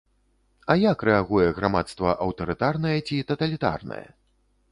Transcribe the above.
А як рэагуе грамадства аўтарытарнае ці таталітарнае?